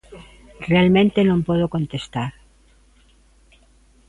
Realmente non podo contestar.